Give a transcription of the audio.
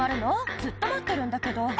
「ずっと待ってるんだけど」